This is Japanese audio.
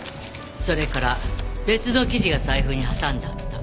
それから別の記事が財布に挟んであった。